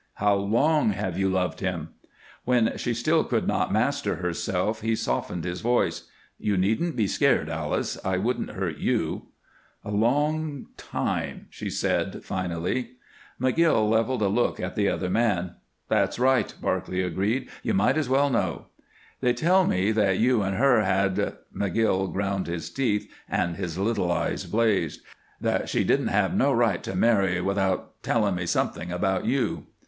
"How long have you loved him?" When she still could not master herself, he softened his voice: "You needn't be scared, Alice. I couldn't hurt you." "A long time," she said, finally. McGill leveled a look at the other man. "That's right," Barclay agreed. "You might as well know." "They tell me that you and her had " McGill ground his teeth, and his little eyes blazed "that she didn't have no right to marry without telling me something about you."